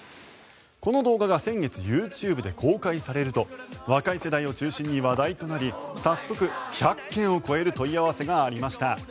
この動画が先月ＹｏｕＴｕｂｅで公開されると若い世代を中心に話題となり早速、１００件を超える問い合わせがありました。